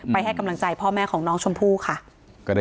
ให้กำลังใจพ่อแม่ของน้องชมพู่ค่ะ